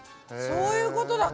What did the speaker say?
そういうことだ。